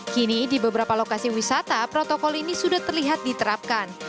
kini di beberapa lokasi wisata protokol ini sudah terlihat diterapkan